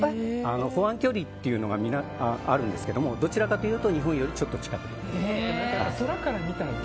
保安距離というのがあるんですけどどちらかというと日本よりちょっと近いです。